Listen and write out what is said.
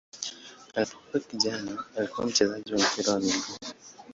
Alipokuwa kijana alikuwa mchezaji wa mpira wa miguu.